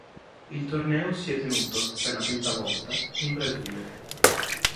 Il torneo si è tenuto, per la quinta volta, in Brasile.